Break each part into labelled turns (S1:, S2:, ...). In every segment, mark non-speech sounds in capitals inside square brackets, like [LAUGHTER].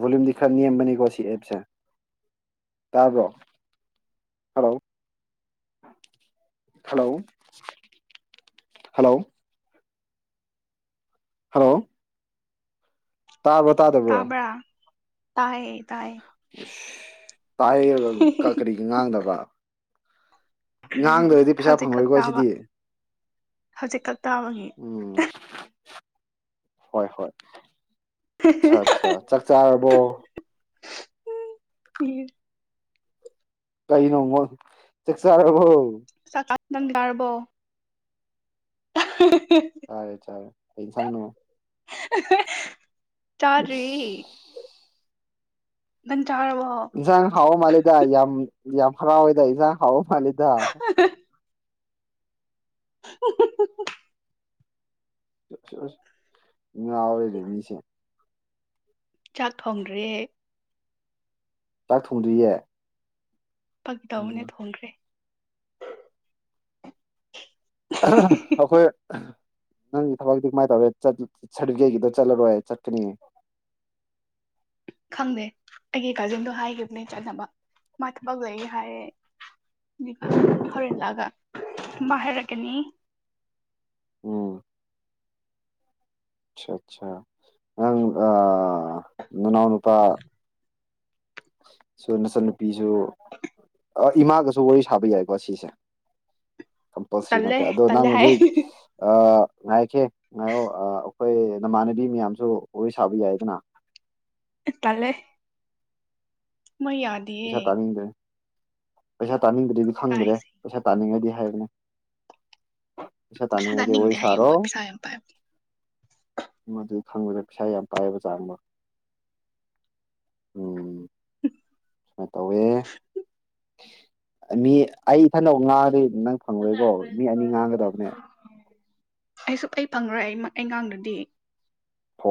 S1: ꯚꯣ ꯂꯤꯥ ꯅꯤꯌꯝ ꯃꯅꯤꯀꯁꯤ ꯑꯦꯁ ꯇ꯭ꯔꯣ ꯍꯂꯣ ꯍꯂꯣ ꯍꯜꯂꯣ ꯍꯜꯂꯣ ꯇꯥꯕꯣ ꯇꯥꯗꯕ꯭ꯔꯣ
S2: ꯇꯌꯦ ꯇꯥꯏꯌꯦ
S1: ꯇꯥ ꯀꯔꯤꯒꯤ ꯉꯥꯡꯗꯕ꯭ꯔꯥ ꯉꯍꯥꯡꯗ꯭ꯔꯗꯤ ꯄꯩꯁꯥ
S2: ꯍꯧꯖꯤꯛ ꯈꯛ
S1: ꯐꯪꯉꯣꯏꯀꯣ
S2: ꯇꯥꯕ
S1: ꯁꯤꯗꯤ
S2: ꯍꯧꯖꯤꯛ ꯀ
S1: ꯎꯝ ꯍꯣꯏ ꯍꯣꯏ ꯑꯆꯥꯆꯥ ꯑꯠꯆꯥ ꯆꯥꯛ ꯆꯥꯔꯕꯣ
S2: ꯎꯝ ꯍ
S1: ꯀꯩꯅꯣꯃꯣ ꯆꯥꯛ ꯆꯥꯔꯔꯕꯣ
S2: ꯆ ꯆ ꯅꯪꯥꯔꯔꯕꯣ [INAUDIBLE]
S1: ꯆꯔꯦ ꯆꯔꯦ ꯑꯩ ꯁꯥꯡꯅ
S2: [INAUDIBLE] ꯇꯥꯔꯔꯤ ꯃ
S1: ꯁꯪ ꯍꯥꯎ ꯃꯥ ꯂꯩꯗ ꯌꯥꯝ ꯐꯔꯥ ꯑꯣꯏꯗꯁ ꯈꯥꯎꯣ ꯍꯜꯗ
S2: [INAUDIBLE]
S1: ꯉꯔꯦꯗꯦꯃꯤꯁꯦ
S2: ꯆꯥꯛ ꯊꯣꯡꯗ꯭ꯔꯦꯍꯦꯛ
S1: ꯆꯥꯛ ꯊꯣꯡꯗ꯭ꯔꯤꯌꯦ
S2: ꯄꯛ ꯇꯎꯅ
S1: ꯎꯝ
S2: ꯊꯣꯡꯈ꯭ꯔꯦ
S1: ꯑꯩꯈꯣꯏ ꯅꯪꯒꯤ ꯊꯕꯛꯇꯤ ꯀꯃꯥꯏꯅ ꯇꯧꯔꯦ ꯆ ꯆ ꯁꯔꯇꯤꯐꯤꯒꯦꯠꯀꯤꯗꯨ ꯆꯠꯂꯔꯣꯏ ꯆꯠꯀꯅꯤ
S2: ꯈꯪꯗꯦ ꯑꯩꯒꯤ ꯀꯖꯤꯟꯗꯣ ꯍꯥꯏꯈꯤꯕꯅꯦ ꯆꯠꯅꯕ꯫ ꯃꯥ ꯊꯕꯛ ꯂꯩꯌꯦ ꯍꯥꯏꯔꯦ ꯍꯣꯔꯦꯜ ꯍꯂꯛꯑꯒ ꯃꯥ ꯍꯥꯏꯔꯛꯀꯅꯤ
S1: ꯑꯣ ꯑꯆꯥ ꯅꯪ ꯑ ꯑ ꯅꯅꯥꯎ ꯅꯨꯄꯥ ꯁꯨ ꯅꯆꯟ ꯅꯨꯄꯤꯖꯨ ꯏꯃꯥꯒꯁꯨ ꯋꯥꯔꯤ ꯁꯥꯕ ꯌꯥꯏꯀꯣ ꯁꯤꯁꯦ ꯀꯝꯄꯜꯁꯔꯤ
S2: ꯇꯜꯂꯦ
S1: ꯅꯠꯇꯦ ꯑꯗꯣ
S2: ꯇꯜꯂꯦ
S1: ꯅꯪ
S2: ꯍꯥꯏ
S1: ꯍꯧꯖꯤꯛ ꯑ ꯉꯥꯏꯀꯦ ꯉꯥꯏꯔꯣ ꯑꯥ ꯑꯦ ꯅꯃꯥꯟꯅꯕꯤ ꯃꯌꯥꯝꯁꯨ ꯋꯥꯔꯤ ꯁꯥꯕ ꯌꯥꯏꯗꯅ
S2: ꯇꯜꯂꯦ꯫ ꯃꯣꯏ ꯌꯥꯗꯤꯌꯦ꯫
S1: ꯄꯩꯁꯥ ꯇꯥꯅꯤꯡꯗ꯭ꯔꯦ ꯄꯩꯁꯥ ꯇꯥꯅꯤꯡꯗ꯭ꯔꯗꯤ ꯈꯪꯗ꯭ꯔꯦ
S2: ꯏꯀꯥꯏꯖꯩ
S1: ꯄꯩꯁꯥ ꯇꯥꯅꯤꯡꯉꯗꯤ [UNINTELLIGIBLE]
S2: ꯄꯩꯁꯥ
S1: ꯇꯥꯅꯤꯡꯉꯗꯤ ꯋꯥꯔꯤ
S2: ꯇꯥꯅꯤꯡꯗꯦ ꯍꯥꯏꯌꯦ
S1: ꯁꯥꯔꯣ
S2: ꯃꯣꯏ ꯄꯩꯁꯥ ꯌꯥꯝ ꯄꯥꯏ
S1: ꯃꯗꯨ ꯈꯪꯕꯗ ꯄꯩꯁꯥ ꯌꯥꯝ ꯄꯥꯏꯕꯖꯥꯅꯤ ꯃꯣꯢ, ꯎꯝ꯫ ꯁꯨꯃꯥꯏꯅ ꯇꯧꯋꯦ, ꯃꯤ ꯑꯩ ꯏꯊꯟꯗ ꯉꯥꯡꯉꯗꯤ ꯅꯪ ꯐꯪꯂꯣꯏꯀꯣ, ꯃꯤ ꯑꯅꯤ ꯉꯥꯡꯒꯗꯕꯅꯦ꯫
S2: ꯑꯩꯁꯨ ꯑꯩ ꯐꯪꯔꯣꯏ ꯑꯩꯃ ꯑꯩ ꯉꯥꯡꯗꯔꯗꯤ꯫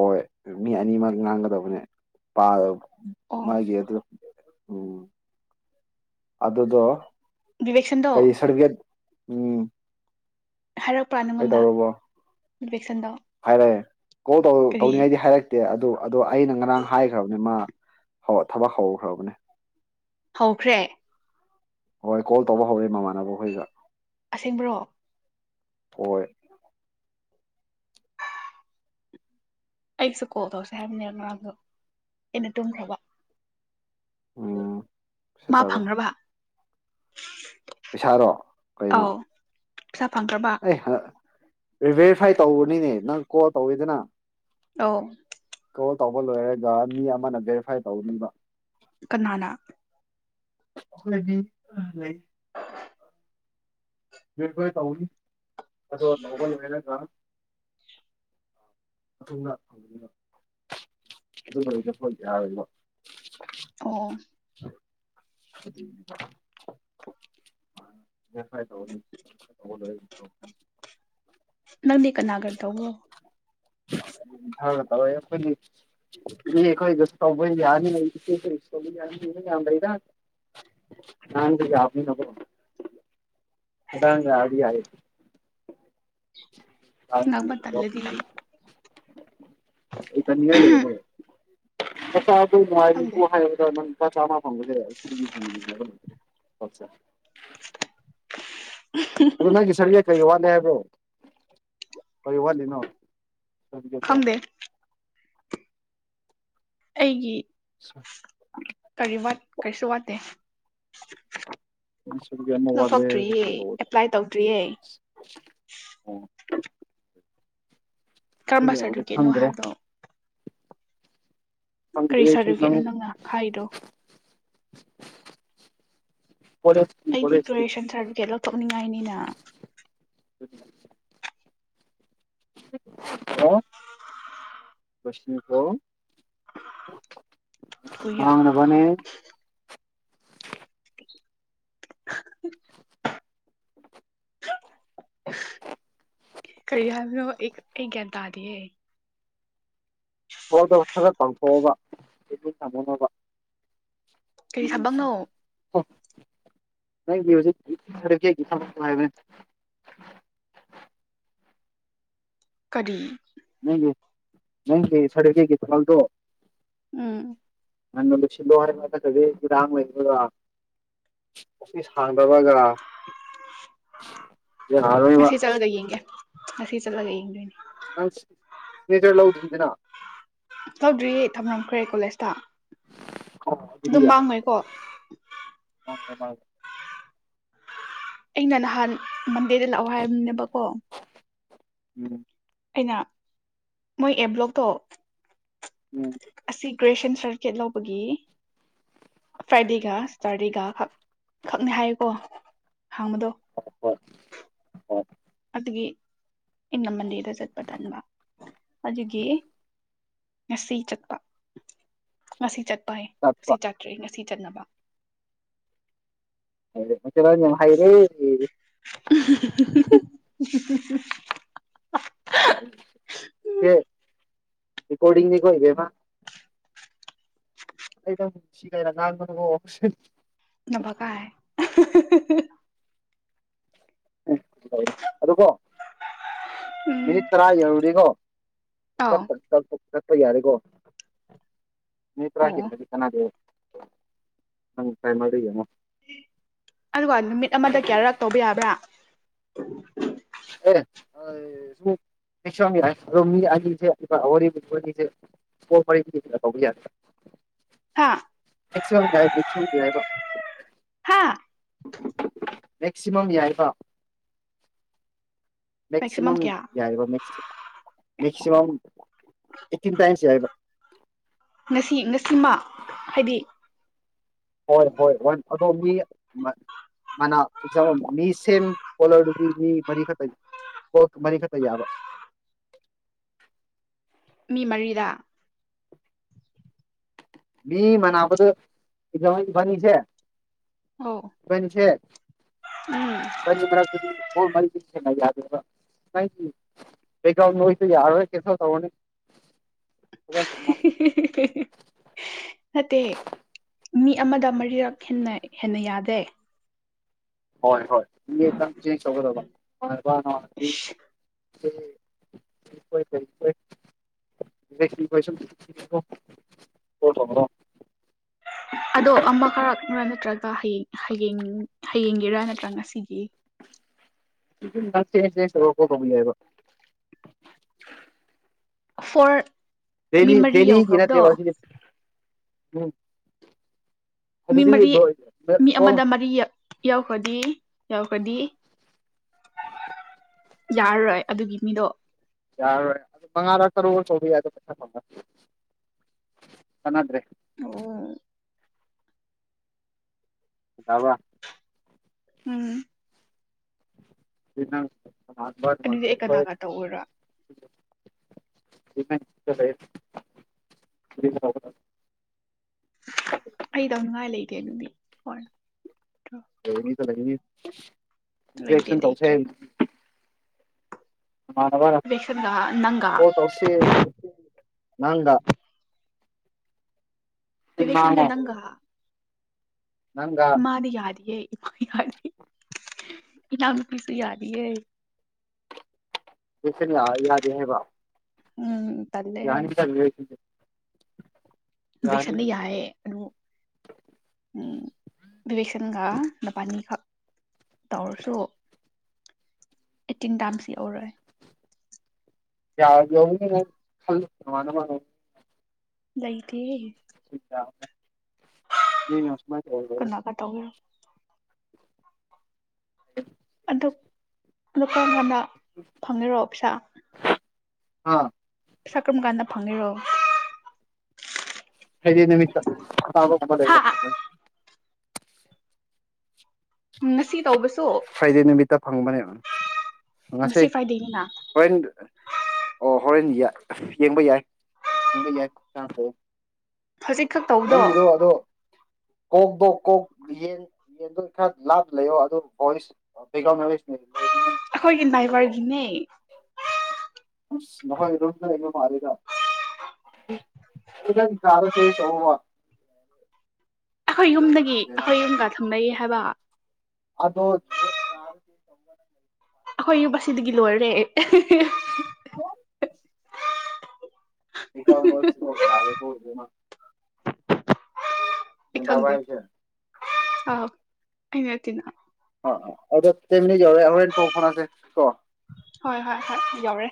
S1: ꯍꯣꯏ ꯃꯤ ꯑꯅꯤꯃꯛꯛ ꯉꯥꯡꯒꯗꯕꯅꯦ ꯄꯥꯏꯌꯣ꯫
S2: ꯑꯣ
S1: ꯃꯥꯒꯤ ꯑꯗꯨ ꯎꯝ ꯑꯗꯨꯗꯣ
S2: ꯕꯤꯕꯦꯛꯁꯟꯗꯣ
S1: ꯀꯩ ꯁꯔꯗꯤꯕꯤꯒꯦꯠ ꯎꯝ꯫
S2: ꯍꯥꯏꯔꯛꯄ꯭ꯔꯥ ꯅꯪꯉꯣꯟꯗ? ꯕꯤꯕꯦꯛꯁꯟꯗꯣ
S1: ꯍꯥꯏꯔꯦ꯫ ꯀꯣꯜ ꯇꯧ
S2: ꯀꯔꯤ
S1: ꯇꯧꯅꯤꯡꯉꯥꯏꯗꯤ ꯍꯥꯏꯔꯛꯇꯦ ꯑꯗꯣ ꯑꯗꯣ ꯑꯩꯅ ꯉꯔꯥꯡ ꯍꯥꯏꯈ꯭ꯔꯕꯅꯦ ꯃꯥ ꯊꯕꯛ ꯍꯧꯈ꯭ꯔꯕꯅꯦ꯫
S2: ꯍꯧꯈ꯭ꯔꯦ?
S1: ꯍꯣꯏ ꯀꯣꯜ ꯇꯧꯕ ꯍꯧꯔꯦ ꯃꯃꯥꯏ ꯃꯈꯣꯏꯒ
S2: ꯑꯁꯦꯡꯕ꯭ꯔꯣ
S1: ꯍꯣꯏ꯫
S2: ꯑꯩꯁꯨ ꯀꯣꯜ ꯇꯧꯁꯦ ꯍꯥꯏꯕꯅꯦ ꯉꯥꯔꯥꯡꯗꯣ ꯑꯩꯅ ꯇꯨꯝꯈ꯭ꯔꯕ꯫
S1: ꯎꯝ
S2: ꯃꯥ
S1: ꯁꯦꯇꯔꯗꯣ
S2: ꯐꯪ꯭ꯒꯔꯕ? [INAUDIBLE]
S1: ꯄꯩꯁꯥꯔꯣ ꯀꯩꯅꯣ?
S2: ꯄꯩꯁꯥ ꯐꯪꯈ꯭ꯔꯕ
S1: ꯑꯩ ꯍ ꯕꯦꯔꯤꯐꯥꯏ ꯇꯧꯕꯅꯤꯅꯦ ꯅꯪ ꯀꯣꯜ ꯇꯧꯋꯤꯗꯅ
S2: ꯑꯧ꯫
S1: ꯀꯣꯜ ꯇꯧꯕ ꯂꯣꯏꯔꯒ ꯃꯤ ꯑꯃꯅ ꯚꯦꯔꯤꯐꯥꯏ ꯇꯧꯒꯅꯤꯕ꯫
S2: ꯀꯅꯥꯅꯥ?
S1: [UNINTELLIGIBLE] ꯕꯦꯔꯤ ꯐꯥꯏ ꯇꯧꯕꯒꯤ꯫ ꯑꯗꯣ ꯇꯧꯕꯥ ꯂꯣꯏꯔꯒꯥ [UNINTELLIGIBLE] ꯌꯥꯔꯣꯏꯕ꯫
S2: ꯑꯣ
S1: [INAUDIBLE] ꯍ ꯍꯥꯏ ꯇ ꯇ ꯆ
S2: ꯀꯅꯥꯒꯔ ꯇꯧꯒꯣ
S1: ꯇꯣꯏ ꯌꯥ ꯌꯥ ꯌꯥꯗ ꯍꯥ ꯑꯥꯡꯒ ꯑꯗꯨꯦ
S2: ꯉꯥꯡꯕ ꯇꯜꯂꯗꯤ
S1: [INAUDIBLE] ꯑꯩ ꯇꯅꯤꯒ ꯂꯩ ꯑ ꯅꯨꯡꯉꯕꯨꯣ ꯍꯥꯏ
S2: ꯈꯪꯗꯦ
S1: ꯍꯦꯟꯕꯨ ꯍꯦꯅꯣꯛ꫰ꯀꯅꯤ ꯄꯣꯠꯁꯦ ꯑꯗꯨ ꯅꯦ ꯁꯔꯤ ꯍꯥꯏ ꯀꯔꯤ ꯋꯥꯠꯂꯤ ꯍꯥꯏꯕ꯭ꯔꯣ ꯀꯔꯤ ꯋꯥꯠꯂꯤꯅꯣ ꯊꯒꯦꯠꯇꯣ
S2: ꯈꯪꯗꯦ ꯑꯩꯒꯤ ꯀꯔꯤ ꯋꯥꯠ ꯀꯩꯁꯨ ꯋꯥꯇꯦ
S1: ꯄ ꯁꯨꯄꯌꯥ ꯃ ꯋꯥꯂꯦ
S2: ꯂꯧꯊꯣꯛꯇ꯭ꯔꯤꯌꯦ ꯑꯦꯄ꯭ꯂꯥꯏ ꯇꯧꯗ꯭ꯔꯤꯌꯦ
S1: ꯑꯗꯨꯒꯤ
S2: ꯀꯔꯝꯕ
S1: ꯑꯣꯏꯔꯝꯒꯅꯤ
S2: ꯁꯥꯔꯇꯤꯐꯤꯀꯦꯠꯅꯣ
S1: ꯈꯪꯗ꯭ꯔꯦ
S2: ꯍꯥꯏꯕꯗꯅꯣ
S1: ꯈꯪꯗꯦ
S2: ꯀꯔꯤ
S1: ꯑꯩꯁꯨ
S2: ꯁꯥꯔꯇꯤꯐꯤꯀꯦꯠꯅꯣ ꯅꯪꯅ ꯍꯥꯏꯗꯣ
S1: [INAUDIBLE] ꯄꯦ ꯏꯁꯇꯔꯤ ꯄꯦ ꯏꯁꯇꯔꯤ
S2: ꯇꯣꯛꯅꯤꯡꯉꯥꯏꯅꯤꯅ
S1: ꯎ ꯎ ꯑ ꯁ ꯀꯣ
S2: ꯊꯨꯌꯥ
S1: ꯃꯥꯅ ꯐꯅꯦ
S2: ꯀꯔꯤ ꯍꯥꯏꯅ ꯑꯩ ꯀꯟ ꯇꯥꯗꯤꯌꯦ
S1: ꯍꯗꯁꯔ ꯇꯥꯡꯊꯣꯛꯑꯕ ꯑꯗꯨꯗꯤ ꯀꯃꯅꯣꯕ
S2: ꯀꯔꯤ ꯊꯕꯛꯅꯣ
S1: ꯖꯤ
S2: ꯀꯔꯤ
S1: ꯅ ꯅꯪꯒꯤ ꯁ ꯍꯒꯤꯜꯗꯣ
S2: ꯎꯝ
S1: ꯅꯪ ꯁꯤꯔ ꯑꯣꯏ ꯑꯣ ꯍ ꯄꯕꯒ
S2: ꯁꯤ ꯆꯂꯒ ꯌꯦꯡꯒꯦ ꯉ ꯆꯠꯂꯒ ꯌꯦꯡꯗꯣꯏꯅꯤ
S1: ꯅꯪ ꯁꯅꯦꯇꯔ ꯂ ꯂꯧꯗ꯭ꯔꯗꯅ
S2: ꯇꯧꯗ꯭ꯔꯤꯌꯦ ꯊꯝꯂꯝꯝꯈ꯭ꯔꯦ ꯀꯣꯂꯦꯖꯇ
S1: ꯑꯗꯨ
S2: ꯑꯗꯨꯝ
S1: ꯌꯥ
S2: ꯃꯥꯡꯉꯣꯏꯀꯣ ꯑꯩꯅ ꯅꯍꯥꯟ ꯃꯟꯗꯦꯗ ꯂꯥꯛꯑꯣ ꯍꯥꯏꯔꯕꯝꯅꯦꯕꯀꯣ
S1: ꯎꯝ
S2: ꯑꯩꯅ ꯃꯣꯏ ꯑꯦ ꯕ꯭ꯂꯣꯛꯇꯣ
S1: ꯎꯝ
S2: ꯒ꯭ꯔꯦꯁꯟ ꯁꯔꯇꯤꯐꯤꯀꯦꯠ ꯂꯧꯕꯒꯤ ꯐ꯭ꯔꯥꯏꯗꯦꯒ ꯁꯇꯔꯗꯦꯒ ꯈꯛ ꯈꯛꯅꯦ ꯍꯥꯏꯌꯦꯀꯣ ꯍꯥꯡꯕꯗꯣ
S1: ꯍ ꯍꯣꯏ ꯍ
S2: ꯑꯗꯨꯒꯤ ꯏꯅ ꯃꯟꯗꯤꯦꯔꯗ ꯆꯠꯄ ꯇꯟꯕ ꯑꯗꯨꯒꯤ ꯉꯁꯤ ꯆꯠꯄ ꯉꯁꯤ ꯆꯠ ꯄꯥꯏ
S1: ꯇꯞꯄ
S2: ꯉ ꯆꯥꯇ꯭ꯔꯦ ꯉꯁꯤ ꯆꯠꯅꯕ
S1: ꯎ ꯍꯥꯏꯔꯦꯦ
S2: [INAUDIBLE]
S1: ꯔꯀꯣꯗꯤꯅꯤ ꯀꯣꯏꯕꯃ ꯑꯩꯗꯅꯨꯡ ꯁꯤ ꯀꯥꯏꯅ ꯉꯥꯡꯒ ꯑꯣ
S2: ꯅꯕ ꯀ
S1: ꯎꯦ ꯑ ꯀꯣ
S2: ꯎꯝ
S1: ꯃꯦꯔꯤ ꯇꯔ ꯌꯔꯨꯔꯤꯒꯣ
S2: ꯑꯧ
S1: ꯆꯠꯄ ꯌꯥꯔꯦꯀꯣ ꯃꯤꯇ꯭ꯔ
S2: ꯑꯣ
S1: ꯍꯥꯏꯔꯗꯤ ꯆꯗꯦ ꯅꯪ ꯐꯥꯏ ꯃꯒꯦꯅꯣ
S2: ꯑꯗꯨꯒ ꯅꯨꯃꯤꯠ ꯑꯃꯗ ꯀꯌꯥꯔꯛ ꯇꯧꯕ ꯌꯥꯕ꯭ꯔꯥ [UNINTELLIGIBLE]
S1: [UNINTELLIGIBLE] [INAUDIBLE] [UNINTELLIGIBLE] [UNINTELLIGIBLE]
S2: ꯍꯥ ꯍꯥ
S1: [UNINTELLIGIBLE] ꯃꯦꯛꯁꯤꯃꯝ ꯌꯥꯏꯕ ꯃꯦꯛꯁꯤꯃꯝ ꯌꯥꯏꯕ ꯃꯦꯛ [UNINTELLIGIBLE] ꯃꯦꯛꯁꯤꯃꯝ ꯑꯇꯤꯟ ꯇꯥꯏꯝꯁ ꯌꯥꯏꯕ
S2: ꯉꯁꯤ ꯉꯁꯤꯃ ꯍꯥꯏꯗꯤ
S1: ꯍꯣꯏ ꯍꯣꯏ ꯍꯣꯏ ꯑꯗꯣ ꯃꯤ ꯃꯥꯅ ꯑꯦꯛꯖꯥꯝ ꯃꯤ ꯁꯦꯝ ꯀꯣꯂꯔꯗꯨꯗꯤ ꯃꯤ ꯃꯔꯤꯈꯛꯇ ꯃꯔꯤꯈꯛꯇ ꯌꯥꯕ
S2: ꯃꯤ ꯃꯔꯤꯗ
S1: ꯃꯤ ꯃꯅꯥꯕꯗꯨ [UNINTELLIGIBLE] ꯏꯕꯥꯟ ꯅꯤꯁꯦ
S2: ꯑꯧ ꯎꯝ
S1: [UNINTELLIGIBLE] [INAUDIBLE] ꯍꯦꯟꯅꯥ ꯌꯥꯗꯦꯕ ꯅꯪꯒꯤ ꯕꯦꯛꯒꯔꯥꯎꯟ ꯅꯣꯏꯁꯇꯨ ꯌꯥꯔꯔꯣꯏ ꯀꯦꯟꯁꯦꯜ ꯇꯧꯔꯅꯤ ꯐꯖꯅ
S2: ꯍꯤ
S1: ꯊꯝꯃꯣ
S2: ꯍꯤ ꯍꯤ ꯅꯠꯇꯦ ꯃꯤ ꯑꯃꯗ ꯃꯔꯤꯔꯛ ꯍꯦꯟꯅ ꯍꯦꯟꯅ ꯌꯥꯗꯦ
S1: ꯍꯣꯏ ꯍꯣꯏ
S2: ꯏꯁ
S1: [UNINTELLIGIBLE] [UNINTELLIGIBLE] [UNINTELLIGIBLE] [UNINTELLIGIBLE] [INAUDIBLE] [INAUDIBLE]
S2: ꯑꯗꯣ ꯑꯃꯈꯔꯛꯔꯥ ꯅꯠꯇ꯭ꯔ ꯍꯌꯦꯡ ꯍꯌꯦꯡ ꯍꯌꯦꯡꯒꯤꯔꯥ ꯅꯠꯇ꯭ꯔ ꯉꯁꯤꯒꯤ
S1: [UNINTELLIGIBLE] [UNINTELLIGIBLE]
S2: ꯐꯣꯔ ꯃꯤ
S1: ꯗꯦꯂꯤ
S2: ꯃꯔꯤ
S1: ꯗꯦꯂꯤꯒꯤ
S2: ꯌꯧꯈ꯭ꯔꯕꯗꯣ
S1: ꯅꯠꯇꯦꯕꯥ ꯑꯁꯤꯗꯤ [UNINTELLIGIBLE]
S2: ꯃꯤ
S1: ꯑꯗꯨꯗꯤ
S2: ꯃꯔꯤ
S1: ꯂꯣꯏ
S2: ꯃꯤ
S1: ꯀꯣꯜ
S2: ꯑꯃꯗ ꯃꯔꯤ ꯌꯥꯎꯈ꯭ꯔꯗꯤ ꯌꯧꯈ꯭ꯔꯗꯤ ꯌꯥꯔꯔꯣꯏ ꯑꯗꯨꯒꯤ ꯃꯤꯗꯣ
S1: ꯌꯥꯔꯔꯣꯏ ꯑꯗꯨ ꯃꯉꯥꯔꯛ ꯇꯔꯨ ꯔꯛ ꯇꯧꯕ ꯌꯥꯗꯦ ꯄꯩꯁꯥ ꯐꯪ ꯉꯔꯣꯏ ꯀꯥꯟꯅꯗ꯭ꯔꯦ
S2: ꯑꯣ
S1: ꯇꯕ꯭ꯔꯥ
S2: ꯎꯝ
S1: ꯗꯣꯏꯅꯣ
S2: ꯑꯗꯨꯗꯤ ꯑꯩ ꯀꯅꯥꯒ ꯇꯧꯔ
S1: [UNINTELLIGIBLE] [UNINTELLIGIBLE] [UNINTELLIGIBLE] [INAUDIBLE] [INAUDIBLE]
S2: ꯑꯩ ꯇꯧꯅꯤꯡꯉꯥꯏ ꯂꯩꯇꯦ ꯑꯗꯨꯗꯤ ꯍꯣꯏ꯫
S1: [UNINTELLIGIBLE] ꯂꯩꯒꯅꯤ
S2: ꯂꯩꯇꯦ
S1: ꯏꯟꯖꯦꯛꯁꯟ
S2: ꯂꯩꯇ꯭ꯔꯦ
S1: ꯇꯧꯁꯦ ꯅꯥꯃꯟꯥꯅꯕ
S2: ꯕꯤꯕꯦꯛꯁꯟꯒ ꯅꯪꯒ
S1: ꯀꯦꯜ ꯇꯧꯁꯤ ꯅꯪꯗ
S2: ꯕꯦ ꯕꯦ ꯁꯟꯒ ꯅꯪꯒ
S1: ꯅꯪꯒ
S2: ꯃꯥꯗꯤ ꯌꯥꯗꯤꯌꯦ ꯍꯥꯌꯥ ꯏꯅꯥꯎꯅꯨꯄꯤꯁꯨ ꯌꯥꯗꯤꯌꯦ
S1: ꯌꯦꯁꯅꯤ ꯂꯛ ꯑꯥ ꯌꯥꯗꯦ ꯍꯥꯏꯕ
S2: ꯎꯝ ꯇꯜꯂꯦ ꯍꯥꯏ
S1: ꯌꯥꯅꯤꯗ [UNINTELLIGIBLE]
S2: ꯕꯁꯅꯤ
S1: ꯌꯥꯅꯤ
S2: ꯌꯥꯌꯦ ꯑꯗꯨ ꯎꯝ ꯕꯤꯕꯦꯁꯟꯒ ꯅꯄꯅꯤꯒ ꯇꯧꯔꯁꯨ ꯑꯦꯇꯤꯡ ꯗꯥꯝꯁꯤꯎꯧꯔꯣꯏ
S1: ꯌꯥꯔ ꯌꯧꯅ ꯃꯥ
S2: ꯂꯩ ꯇꯦ
S1: ꯁꯤꯗꯦ ꯃꯤꯅꯥ ꯑꯁꯨꯃꯥꯏꯅꯥ ꯇꯧ
S2: ꯀꯅꯥꯒ ꯇꯧꯒꯦꯔꯣ
S1: ꯎ
S2: ꯑꯗꯨꯗꯣ ꯑꯗ ꯀꯗ ꯐꯪꯅꯔꯣꯑꯣ ꯄꯩꯁꯥ
S1: ꯑꯥ
S2: ꯁꯀ꯭ꯔꯝ ꯀꯥꯟꯗ ꯐꯪꯉꯤꯔꯣ
S1: ꯍꯥꯏꯩꯗꯤ ꯅꯨꯃꯤꯠꯇ
S2: ꯍꯥ ꯎ ꯉꯁꯤ ꯇꯧꯕꯁꯨ
S1: ꯐ꯭ꯔꯥꯏꯗꯦ ꯅꯨꯃꯤꯠꯇ ꯐꯪꯕꯅꯦ ꯉꯁꯦ
S2: ꯉꯁꯤ ꯐ꯭ꯔꯥꯏꯗꯦꯅꯤꯅ
S1: ꯍꯦꯟ ꯑꯣ ꯍꯣꯔꯦꯟ ꯌꯦꯡꯕ ꯌꯥꯏ ꯐꯪꯕ ꯌꯥꯏ ꯈꯨ ꯆ ꯇꯧꯦ
S2: ꯐꯖꯤꯛꯈꯛ ꯇꯧꯕꯗꯣ
S1: ꯀꯣꯛꯗꯣ ꯀꯣꯛ ꯌꯦꯟ ꯌꯦꯟꯗꯣ ꯂꯥ ꯂꯩꯑꯣ ꯑꯗꯨꯚ ꯦꯥꯝ
S2: ꯑꯩꯈꯣꯏꯒꯤ ꯗ꯭ꯔꯥꯏꯚꯔꯒꯤꯅꯦ
S1: ꯅꯉꯣ ꯃꯥꯔꯦ ꯀꯥꯗ ꯆꯩꯦ ꯁ
S2: ꯑꯩꯈꯣꯏ ꯌꯨꯝꯗꯒꯤ ꯑꯩꯈꯣꯏ ꯌꯨꯝꯒ ꯊꯝꯅꯩ ꯍꯥꯏꯕ
S1: ꯇ
S2: ꯑꯩꯈꯣꯏ ꯌꯕꯥꯁꯤꯗꯒꯤ ꯂꯣꯏꯔꯦ
S1: ꯍ
S2: [INAUDIBLE]
S1: ꯏ ꯀ ꯌꯥꯔꯦ ꯀꯗꯅ ꯗꯕꯏꯁ
S2: ꯑ ꯑꯩꯅ ꯇꯅ
S1: ꯇꯝ ꯀꯔ ꯍꯣꯔꯦꯟ ꯄꯣ ꯐꯅꯦ ꯀꯣ
S2: ꯍꯣꯏ ꯍꯣꯏ ꯍꯣꯏ ꯌꯥꯎꯔꯦ